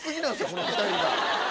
この２人が！